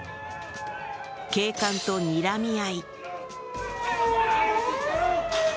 警官とにらみ合い。